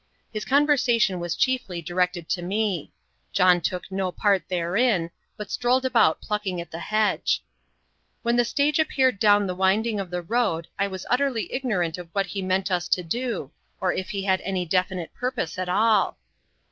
His conversation was chiefly directed to me. John took no part therein, but strolled about plucking at the hedge. When the stage appeared down the winding of the road I was utterly ignorant of what he meant us to do, or if he had any definite purpose at all.